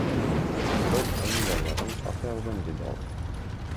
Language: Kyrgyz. Бирок фамилияларын атай албайм, — деди ал.